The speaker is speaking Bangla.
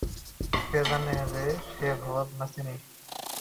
সে জানে যে, সে ভালো নাচেনি।